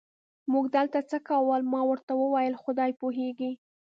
موټر دلته څه کول؟ ما ورته وویل: خدای پوهېږي.